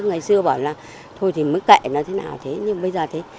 ngày xưa bảo là thôi thì mới kệ mà thế nào thế nhưng bây giờ thế